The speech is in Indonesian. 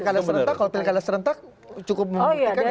kalau pilkadas rentak cukup memungkinkan